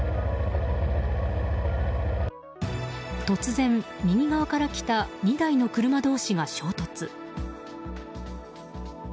突然、右側からきた２台の車同士が衝突。